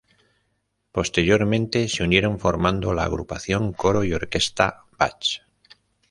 Posteriormente se unieron formando la agrupación Coro y orquesta Bach.